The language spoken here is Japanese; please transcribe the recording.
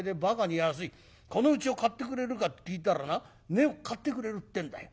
このうちを買ってくれるかって聞いたらな買ってくれるってんだよ。